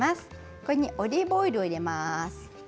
ここにオリーブオイルを入れます。